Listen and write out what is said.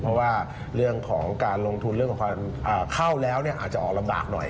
เพราะว่าเรื่องของการลงทุนเรื่องของความเข้าแล้วอาจจะออกลำบากหน่อย